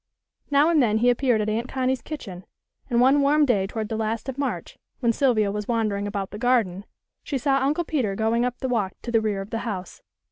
Now and then he appeared at Aunt Connie's kitchen, and one warm day toward the last of March, when Sylvia was wandering about the garden, she saw Uncle Peter going up the walk to the rear of the house.